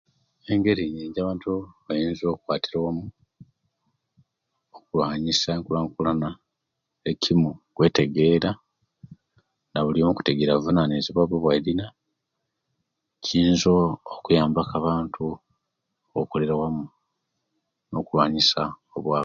Engeri nyingi abantu egyebayinza okwatira wamu okulwansya enkulakulana ekimu kwetegera nabulyomu kwetegera buvunanyizubwa bwe obwalina kiyinza okuyamba ku abantu okolera wamu no kulwanisya obwavu